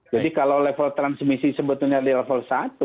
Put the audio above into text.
kalau level transmisi sebetulnya di level satu